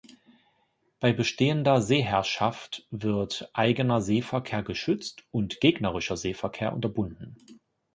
Bei bestehender Seeherrschaft wird eigener Seeverkehr geschützt und gegnerischer Seeverkehr unterbunden.